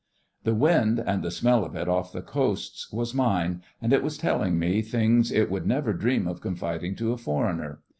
The wind, and the smell of it off the coasts, was mine, and it was telling me things it would never dream of confiding to a foreigner.